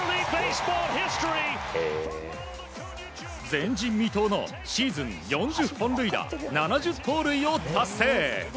前人未到のシーズン４０本塁打７０盗塁を達成。